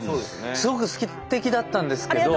すごくすてきだったんですけど。